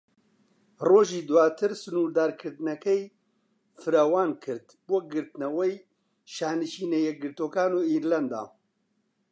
ڕۆژی دواتر، سنوردارکردنەکەی فراوانکرد بۆ گرتنەوەی شانشینە یەکگرتووەکان و ئیرلەندا.